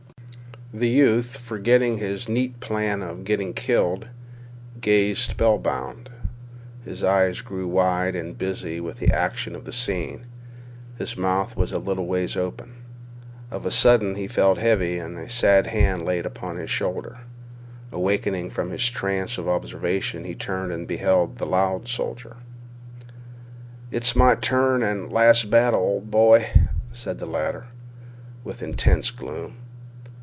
The youth, forgetting his neat plan of getting killed, gazed spell bound. His eyes grew wide and busy with the action of the scene. His mouth was a little ways open. Of a sudden he felt a heavy and sad hand laid upon his shoulder. Awakening from his trance of observation he turned and beheld the loud soldier. "It's my first and last battle, old boy," said the latter, with intense gloom.